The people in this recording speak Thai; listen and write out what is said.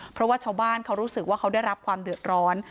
เพราะว่าชาวบ้านเขารู้สึกว่าเขาได้รับความเดือดร้อน